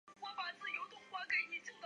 她承受不住身体向后倒